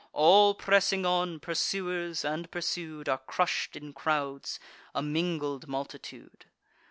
All pressing on, pursuers and pursued, Are crush'd in crowds, a mingled multitude.